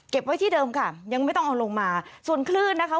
ไว้ที่เดิมค่ะยังไม่ต้องเอาลงมาส่วนคลื่นนะคะ